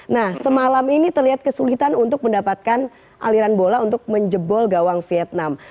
nah semalam ini terlihat kesulitan untuk mendapatkan aliran bola untuk menjebol gawang vietnam